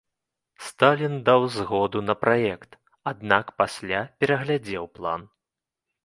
Сталін даў згоду на праект, аднак пасля пераглядзеў план.